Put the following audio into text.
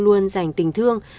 luôn dành tình thương